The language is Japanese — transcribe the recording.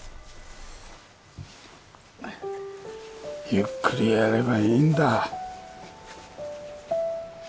ゆっくりやればいいんだ。